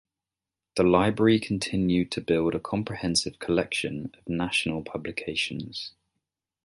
The Library continued to build a comprehensive collection of national publications.